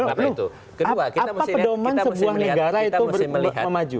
apa pedoman sebuah negara itu memaju